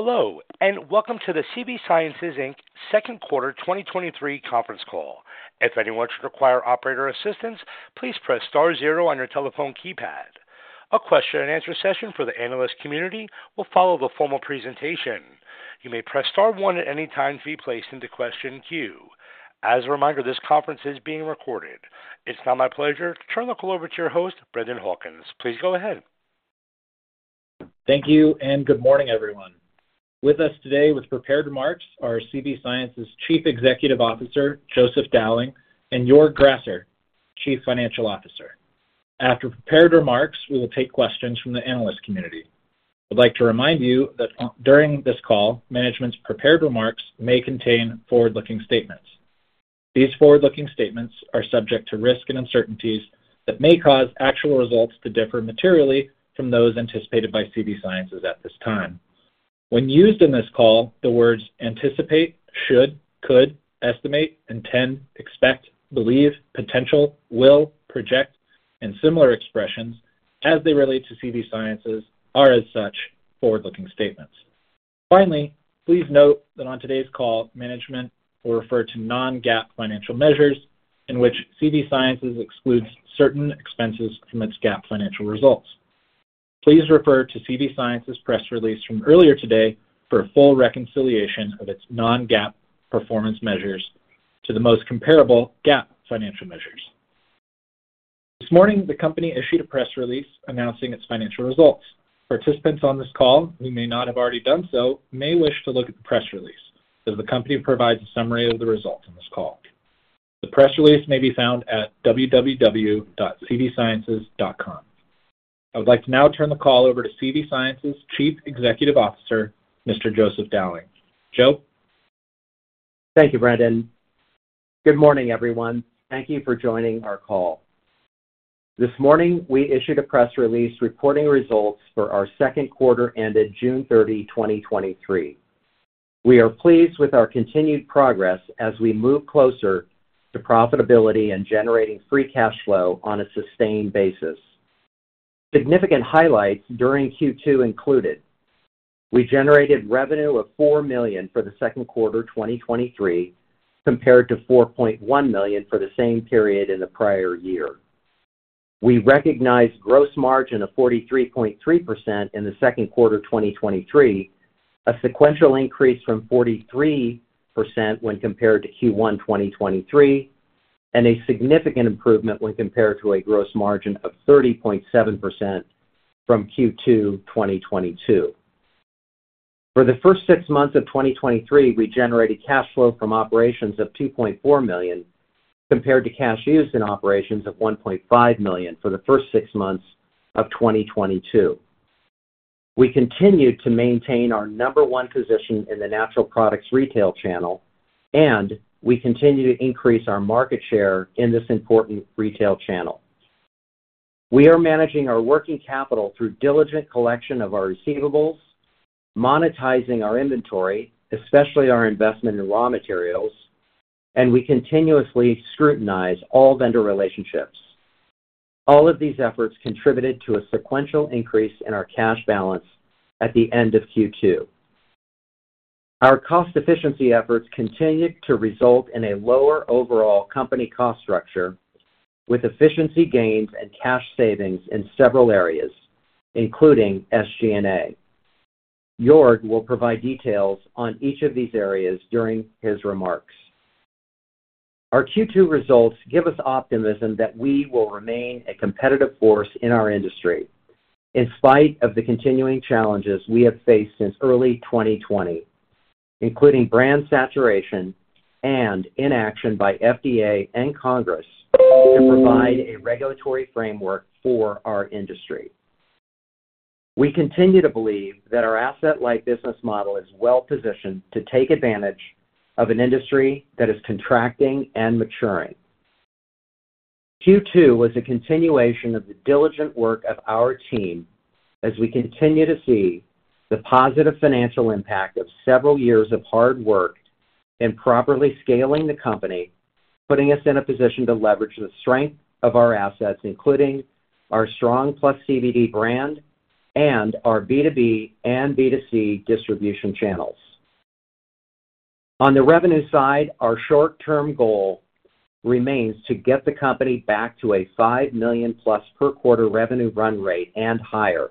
Hello, and welcome to the CV Sciences, Inc. Q2 2023 conference call. If anyone should require operator assistance, please press * 0 on your telephone keypad. A question and answer session for the analyst community will follow the formal presentation. You may press * 1 at any time to be placed in the question queue. As a reminder, this conference is being recorded. It's now my pleasure to turn the call over to your host, Brendan Hawkins. Please go ahead. Thank you. Good morning, everyone. With us today with prepared remarks are CV Sciences Chief Executive Officer, Joseph Dowling, and Joerg Grasser, Chief Financial Officer. After prepared remarks, we will take questions from the analyst community. I'd like to remind you that during this call, management's prepared remarks may contain forward-looking statements. These forward-looking statements are subject to risks and uncertainties that may cause actual results to differ materially from those anticipated by CV Sciences at this time. When used in this call, the words anticipate, should, could, estimate, intend, expect, believe, potential, will, project, and similar expressions as they relate to CV Sciences are, as such, forward-looking statements. Finally, please note that on today's call, management will refer to non-GAAP financial measures in which CV Sciences excludes certain expenses from its GAAP financial results. Please refer to CV Sciences' press release from earlier today for a full reconciliation of its non-GAAP performance measures to the most comparable GAAP financial measures. This morning, the company issued a press release announcing its financial results. Participants on this call, who may not have already done so, may wish to look at the press release, as the company provides a summary of the results in this call. The press release may be found at www.cvsciences.com. I would like to now turn the call over to CV Sciences' Chief Executive Officer, Mr. Joseph Dowling. Joe? Thank you, Brendan. Good morning, everyone. Thank you for joining our call. This morning, we issued a press release reporting results for our Q2 ended June 30, 2023. We are pleased with our continued progress as we move closer to profitability and generating free cash flow on a sustained basis. Significant highlights during Q2 included: We generated revenue of $4 million for the Q2 2023, compared to $4.1 million for the same period in the prior year. We recognized gross margin of 43.3% in the Q2 of 2023, a sequential increase from 43% when compared to Q1 2023, and a significant improvement when compared to a gross margin of 30.7% from Q2 2022. For the first 6 months of 2023, we generated cash flow from operations of $2.4 million, compared to cash used in operations of $1.5 million for the first 6 months of 2022. We continued to maintain our number 1 position in the natural products retail channel, and we continue to increase our market share in this important retail channel. We are managing our working capital through diligent collection of our receivables, monetizing our inventory, especially our investment in raw materials, and we continuously scrutinize all vendor relationships. All of these efforts contributed to a sequential increase in our cash balance at the end of Q2. Our cost efficiency efforts continued to result in a lower overall company cost structure, with efficiency gains and cash savings in several areas, including SG&A. Joerg will provide details on each of these areas during his remarks. Our Q2 results give us optimism that we will remain a competitive force in our industry, in spite of the continuing challenges we have faced since early 2020, including brand saturation and inaction by FDA and Congress to provide a regulatory framework for our industry. We continue to believe that our asset-light business model is well-positioned to take advantage of an industry that is contracting and maturing. Q2 was a continuation of the diligent work of our team as we continue to see the positive financial impact of several years of hard work in properly scaling the company, putting us in a position to leverage the strength of our assets, including our strong PlusCBD brand and our B2B and B2C distribution channels. On the revenue side, our short-term goal remains to get the company back to a $5 million+ per quarter revenue run rate and higher.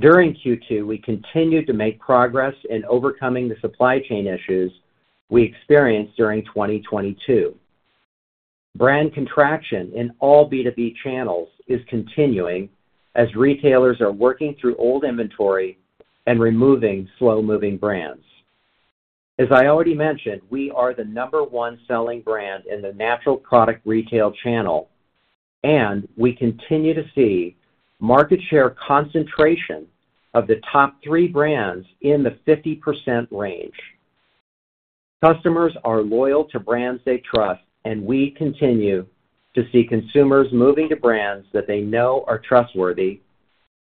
During Q2, we continued to make progress in overcoming the supply chain issues we experienced during 2022. Brand contraction in all B2B channels is continuing as retailers are working through old inventory and removing slow-moving brands. As I already mentioned, we are the number 1 selling brand in the natural product retail channel, and we continue to see market share concentration of the top 3 brands in the 50% range. Customers are loyal to brands they trust, and we continue to see consumers moving to brands that they know are trustworthy,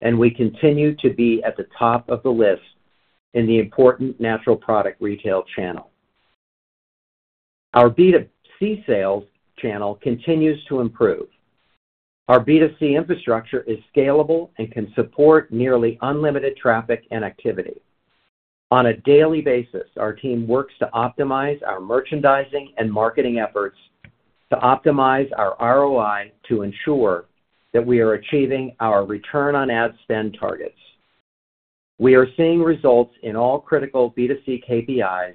and we continue to be at the top of the list in the important natural product retail channel. Our B2C sales channel continues to improve. Our B2C infrastructure is scalable and can support nearly unlimited traffic and activity. On a daily basis, our team works to optimize our merchandising and marketing efforts to optimize our ROI to ensure that we are achieving our return on ad spend targets. We are seeing results in all critical B2C KPIs,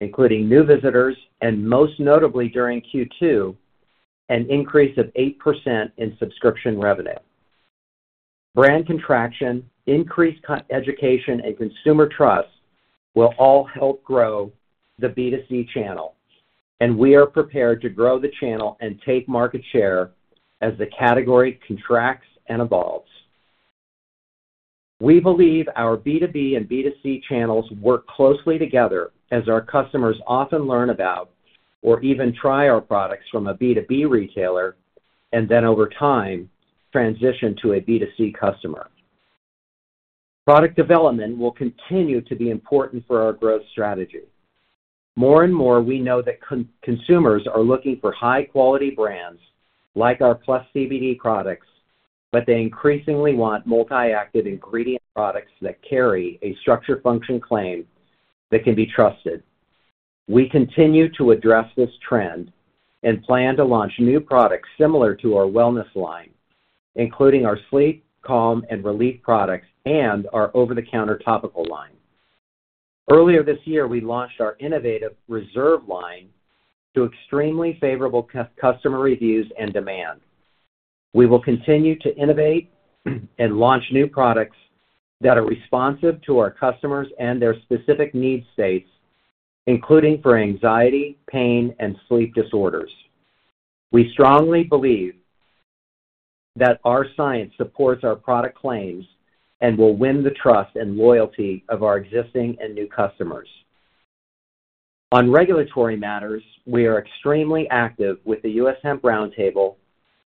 including new visitors, and most notably during Q2, an increase of 8% in subscription revenue. Brand contraction, increased education, and consumer trust will all help grow the B2C channel, and we are prepared to grow the channel and take market share as the category contracts and evolves. We believe our B2B and B2C channels work closely together, as our customers often learn about or even try our products from a B2B retailer and then, over time, transition to a B2C customer. Product development will continue to be important for our growth strategy. More and more, we know that consumers are looking for high-quality brands like our PlusCBD products. They increasingly want multi-active ingredient products that carry a structure/function claim that can be trusted. We continue to address this trend and plan to launch new products similar to our Wellness Collection, including our sleep, calm, and relief products, and our over-the-counter topical line. Earlier this year, we launched our innovative Reserve Line to extremely favorable customer reviews and demand. We will continue to innovate and launch new products that are responsive to our customers and their specific need states, including for anxiety, pain, and sleep disorders. We strongly believe that our science supports our product claims and will win the trust and loyalty of our existing and new customers. On regulatory matters, we are extremely active with the U.S. Hemp Roundtable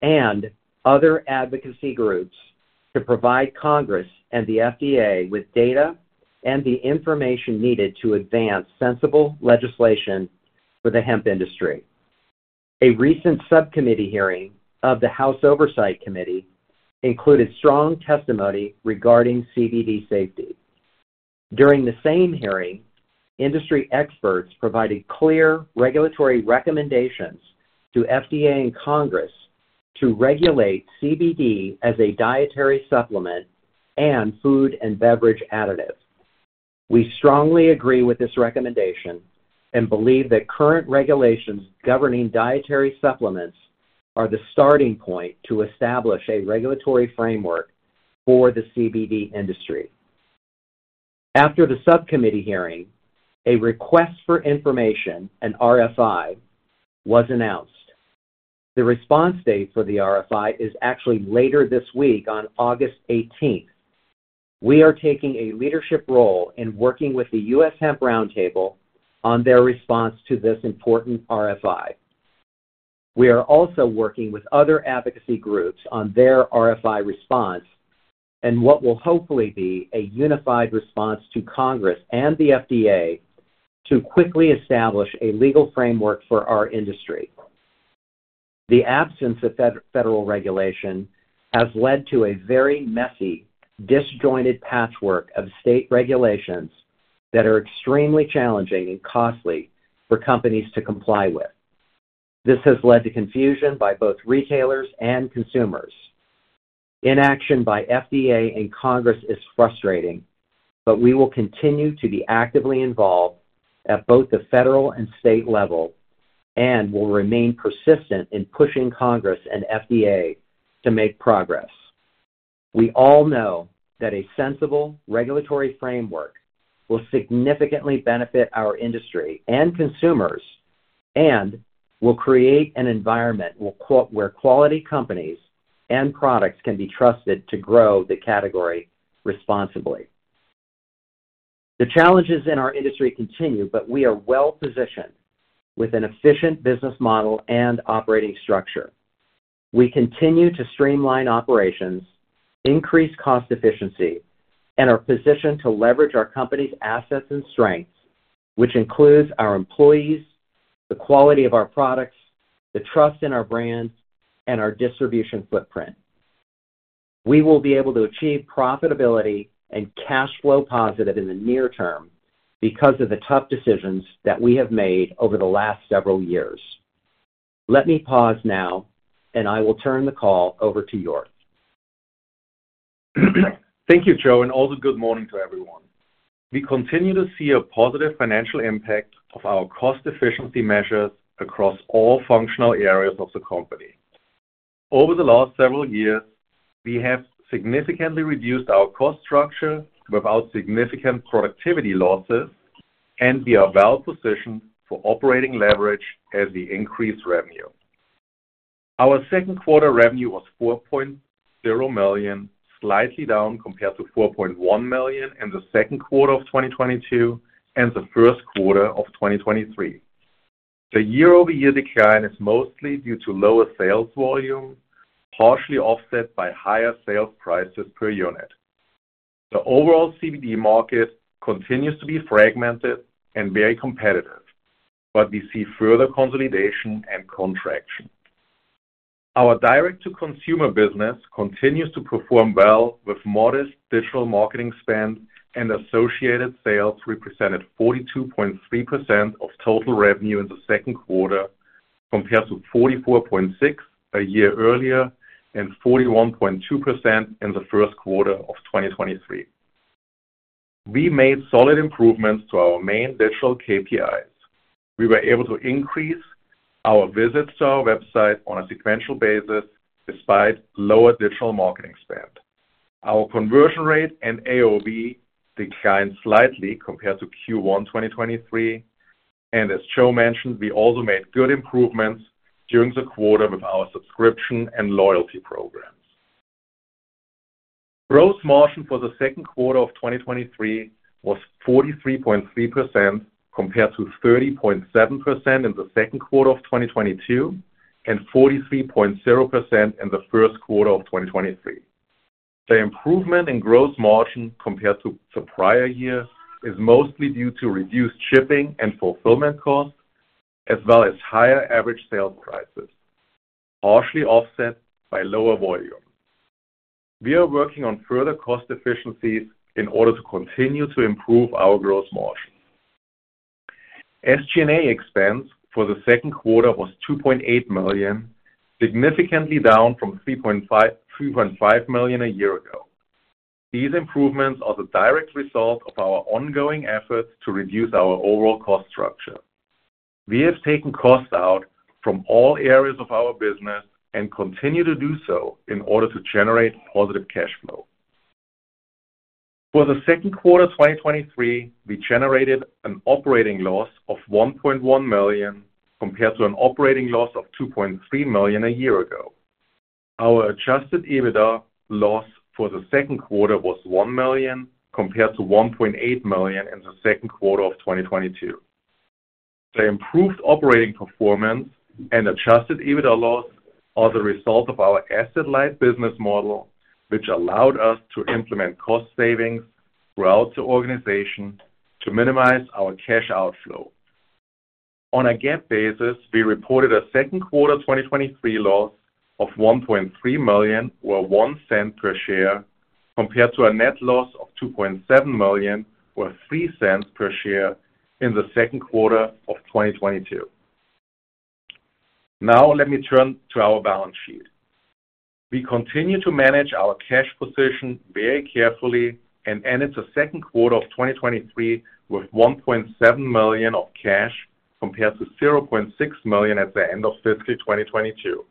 and other advocacy groups to provide Congress and the FDA with data and the information needed to advance sensible legislation for the hemp industry. A recent subcommittee hearing of the House Oversight Committee included strong testimony regarding CBD safety. During the same hearing, industry experts provided clear regulatory recommendations to FDA and Congress to regulate CBD as a dietary supplement and food and beverage additive. We strongly agree with this recommendation and believe that current regulations governing dietary supplements are the starting point to establish a regulatory framework for the CBD industry. After the subcommittee hearing, a request for information, an RFI, was announced. The response date for the RFI is actually later this week, on August 18th. We are taking a leadership role in working with the U.S. Hemp Roundtable on their response to this important RFI. We are also working with other advocacy groups on their RFI response and what will hopefully be a unified response to Congress and the FDA to quickly establish a legal framework for our industry. The absence of federal regulation has led to a very messy, disjointed patchwork of state regulations that are extremely challenging and costly for companies to comply with. This has led to confusion by both retailers and consumers. Inaction by FDA and Congress is frustrating, we will continue to be actively involved at both the federal and state level and will remain persistent in pushing Congress and FDA to make progress. We all know that a sensible regulatory framework will significantly benefit our industry and consumers and will create an environment where quality companies and products can be trusted to grow the category responsibly. The challenges in our industry continue, but we are well positioned with an efficient business model and operating structure. We continue to streamline operations, increase cost efficiency, and are positioned to leverage our company's assets and strengths, which includes our employees, the quality of our products, the trust in our brands, and our distribution footprint. We will be able to achieve profitability and cash flow positive in the near term because of the tough decisions that we have made over the last several years. Let me pause now, and I will turn the call over to Joerg. Thank you, Joe, and also good morning to everyone. We continue to see a positive financial impact of our cost efficiency measures across all functional areas of the company. Over the last several years, we have significantly reduced our cost structure without significant productivity losses, and we are well positioned for operating leverage as we increase revenue. Our Q2 revenue was $4.0 million, slightly down compared to $4.1 million in the Q2 of 2022 and the Q1 of 2023. The year-over-year decline is mostly due to lower sales volume, partially offset by higher sales prices per unit. The overall CBD market continues to be fragmented and very competitive, we see further consolidation and contraction. Our direct-to-consumer business continues to perform well, with modest digital marketing spend and associated sales represented 42.3% of total revenue in the Q2, compared to 44.6% a year earlier, and 41.2% in the Q1 of 2023. We made solid improvements to our main digital KPIs. We were able to increase our visits to our website on a sequential basis, despite lower digital marketing spend. Our conversion rate and AOV declined slightly compared to Q1 2023, and as Joe mentioned, we also made good improvements during the quarter with our subscription and loyalty programs. Gross margin for the Q2 of 2023 was 43.3%, compared to 30.7% in the Q2 of 2022, and 43.0% in the Q1 of 2023. The improvement in gross margin compared to the prior year is mostly due to reduced shipping and fulfillment costs, as well as higher average sales prices, partially offset by lower volume. We are working on further cost efficiencies in order to continue to improve our gross margin. SG&A expense for the Q2 was $2.8 million, significantly down from $3.5, $2.5 million a year ago. These improvements are the direct result of our ongoing efforts to reduce our overall cost structure. We have taken costs out from all areas of our business and continue to do so in order to generate positive cash flow. For the Q2 of 2023, we generated an operating loss of $1.1 million, compared to an operating loss of $2.3 million a year ago. Our adjusted EBITDA loss for the Q2 was $1 million, compared to $1.8 million in the Q2 of 2022. The improved operating performance and adjusted EBITDA loss are the result of our asset-light business model, which allowed us to implement cost savings throughout the organization to minimize our cash outflow. On a GAAP basis, we reported a Q2 2023 loss of $1.3 million, or $0.01 per share, compared to a net loss of $2.7 million, or $0.03 per share in the Q2 of 2022. Now let me turn to our balance sheet. We continue to manage our cash position very carefully and ended the Q2 of 2023 with $1.7 million of cash, compared to $0.6 million at the end of fiscal 2022.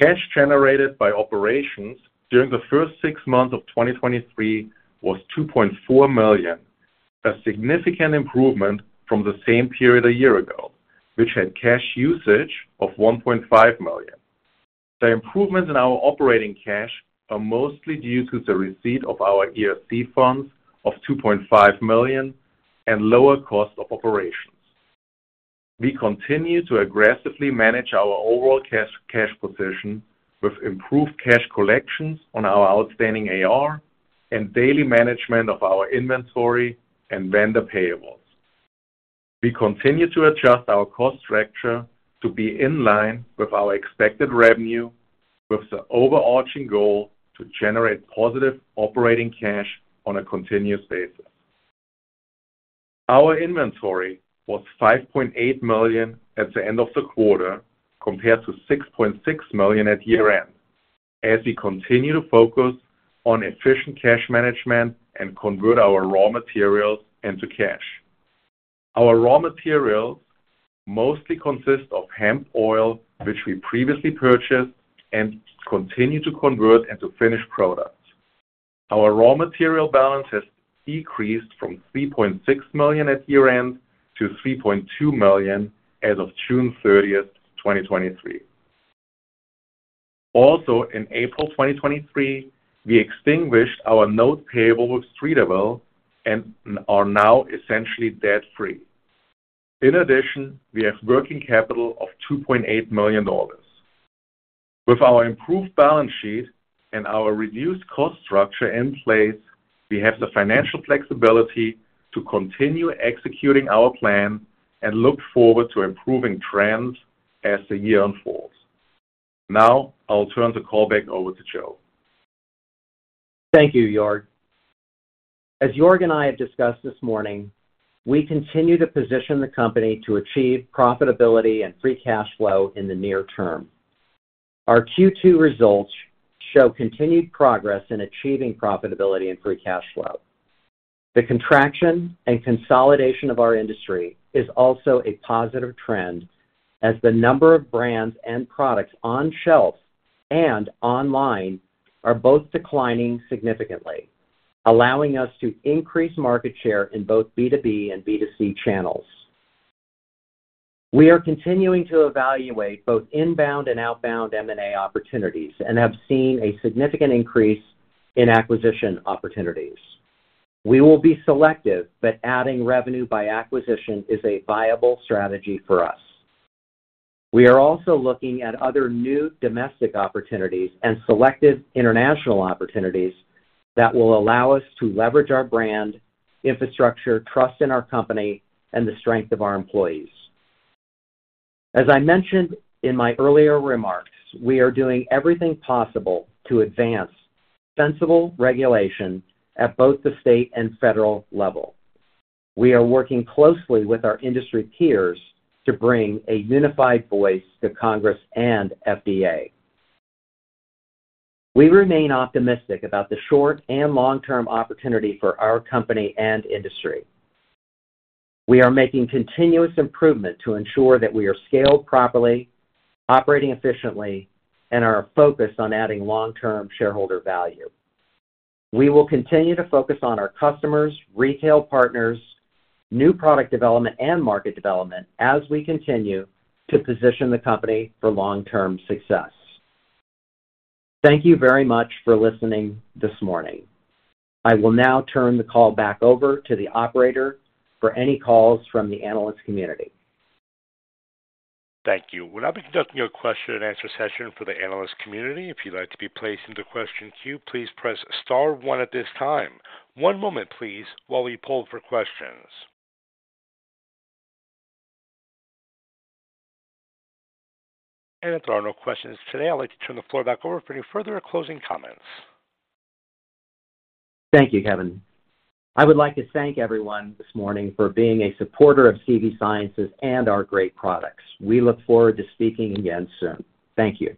Cash generated by operations during the first 6 months of 2023 was $2.4 million, a significant improvement from the same period a year ago, which had cash usage of $1.5 million. The improvements in our operating cash are mostly due to the receipt of our ERC funds of $2.5 million and lower cost of operations. We continue to aggressively manage our overall cash, cash position with improved cash collections on our outstanding AR and daily management of our inventory and vendor payables. We continue to adjust our cost structure to be in line with our expected revenue, with the overarching goal to generate positive operating cash on a continuous basis. Our inventory was $5.8 million at the end of the quarter, compared to $6.6 million at year-end, as we continue to focus on efficient cash management and convert our raw materials into cash. Our raw materials mostly consist of hemp oil, which we previously purchased and continue to convert into finished products. Our raw material balance has decreased from $3.6 million at year-end to $3.2 million as of June 30th, 2023. Also, in April 2023, we extinguished our notes payable with Streeterville and are now essentially debt-free. In addition, we have working capital of $2.8 million. With our improved balance sheet and our reduced cost structure in place, we have the financial flexibility to continue executing our plan and look forward to improving trends as the year unfolds. Now, I will turn the call back over to Joe. Thank you, Joerg. As Joerg and I have discussed this morning, we continue to position the company to achieve profitability and free cash flow in the near term. Our Q2 results show continued progress in achieving profitability and free cash flow. The contraction and consolidation of our industry is also a positive trend, as the number of brands and products on shelves and online are both declining significantly, allowing us to increase market share in both B2B and B2C channels. We are continuing to evaluate both inbound and outbound M&A opportunities and have seen a significant increase in acquisition opportunities. We will be selective, but adding revenue by acquisition is a viable strategy for us. We are also looking at other new domestic opportunities and selective international opportunities that will allow us to leverage our brand, infrastructure, trust in our company, and the strength of our employees. As I mentioned in my earlier remarks, we are doing everything possible to advance sensible regulation at both the state and federal level. We are working closely with our industry peers to bring a unified voice to Congress and FDA. We remain optimistic about the short and long-term opportunity for our company and industry. We are making continuous improvement to ensure that we are scaled properly, operating efficiently, and are focused on adding long-term shareholder value. We will continue to focus on our customers, retail partners, new product development, and market development as we continue to position the company for long-term success. Thank you very much for listening this morning. I will now turn the call back over to the operator for any calls from the analyst community. Thank you. We'll now be conducting a question-and-answer session for the analyst community. If you'd like to be placed in the question queue, please press * 1 at this time. One moment, please, while we poll for questions. If there are no questions today, I'd like to turn the floor back over for any further closing comments. Thank you, Kevin. I would like to thank everyone this morning for being a supporter of CV Sciences and our great products. We look forward to speaking again soon. Thank you.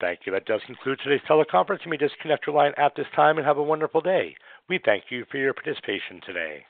Thank you. That does conclude today's teleconference. You may disconnect your line at this time and have a wonderful day. We thank you for your participation today.